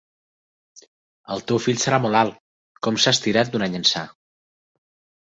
El teu fill serà molt alt: com s'ha estirat d'un any ençà!